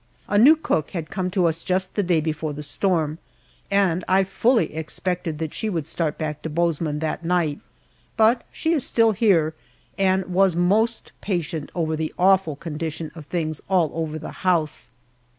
A new cook had come to us just the day before the storm, and I fully expected that she would start back to Bozeman that night, but she is still here, and was most patient over the awful condition of things all over the house.